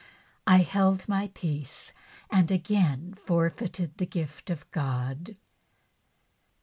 I held my peace, and again forfeited the gift of God.